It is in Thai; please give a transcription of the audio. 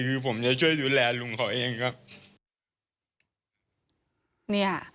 คือผมจะช่วยดูแลลุงเขาเองครับ